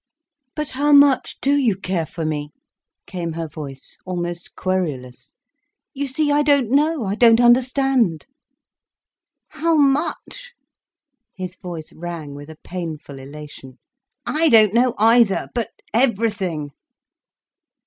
"But how much do you care for me!" came her voice, almost querulous. "You see, I don't know, I don't understand!" "How much!" His voice rang with a painful elation. "I don't know either—but everything."